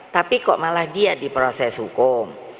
tapi kok malah dia di proses hukum